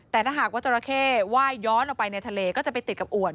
แต่ถ้าหากว่าจราเข้ไหว้ย้อนออกไปในทะเลก็จะไปติดกับอวด